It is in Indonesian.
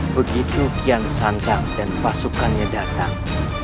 begitu kian sandang dan pasukannya datang